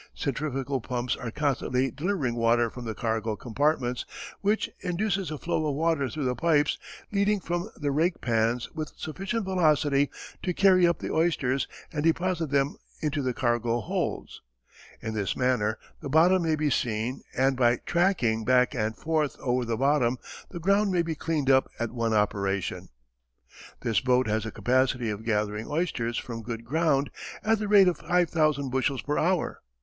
Centrifugal pumps are constantly delivering water from the cargo compartments, which induces a flow of water through the pipes leading from the "rake pans" with sufficient velocity to carry up the oysters and deposit them into the cargo holds. In this manner the bottom may be seen, and by "tracking" back and forth over the bottom the ground may be "cleaned up" at one operation. This boat has a capacity of gathering oysters from good ground at the rate of five thousand bushels per hour.